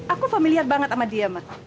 aku familiar banget sama dia mas